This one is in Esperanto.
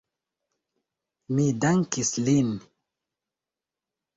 Mi dankis lin.